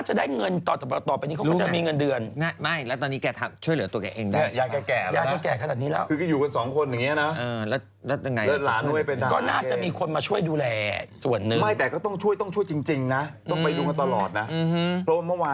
ใช่นะอื้อตอนนี้ใครจะดูแลแกล่ะ